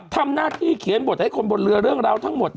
ทำหน้าที่เขียนบทให้คนบนเรือเรื่องราวทั้งหมด